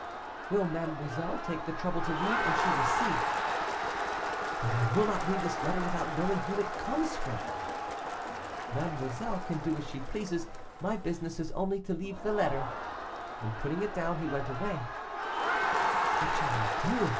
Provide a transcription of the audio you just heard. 'Will mademoiselle take the trouble to read, and she will see.' 'But I will not read this letter without knowing whom it comes from.' 'Mademoiselle can do as she pleases; my business is only to leave the letter,' and putting it down, he went away. 'What shall I do?